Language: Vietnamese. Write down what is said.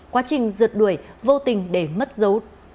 quá trình rượt đuổi vô tình để mất dấu